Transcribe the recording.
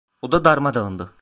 Oda darmadağındı.